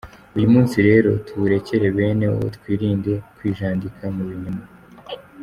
Uyu munsi rero tuwurekere bene wo twirinde kwijandika mu binyoma.